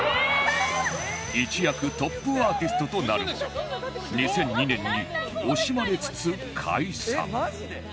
一躍トップアーティストとなるが２００２年に惜しまれつつ解散